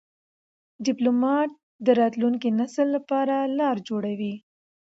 ډيپلومات د راتلونکي نسل لپاره لار جوړوي.